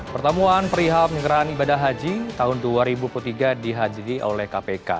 pertemuan perihal penyelenggaraan ibadah haji tahun dua ribu tiga dihadiri oleh kpk